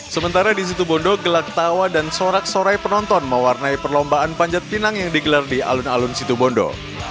sementara di situ bondo gelak tawa dan sorak sorai penonton mewarnai perlombaan panjat pinang yang digelar di alun alun situbondo